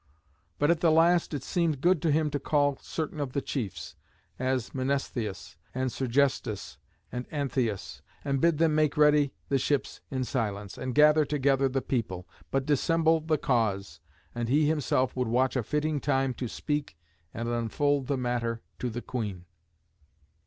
But at the last it seemed good to him to call certain of the chiefs, as Mnestheus, and Sergestus, and Antheus, and bid them make ready the ships in silence, and gather together the people, but dissemble the cause, and he himself would watch a fitting time to speak and unfold the matter to the queen.